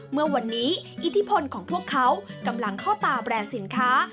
เมื่อวันนี้อิทธิพลของพวกเขากำลังเข้าตาแบรนด์สินค้า